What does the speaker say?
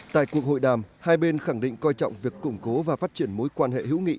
tại cuộc hội đàm hai bên khẳng định coi trọng việc củng cố và phát triển mối quan hệ hữu nghị